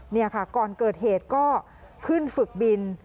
นี่ค่ะก่อนเกิดเหตุก็ขึ้นฝึกบิน